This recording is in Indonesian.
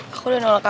aku udah nolak kakak